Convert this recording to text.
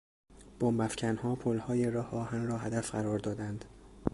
بمب افکنها پلهای راهآهن را هدف قرار دادند.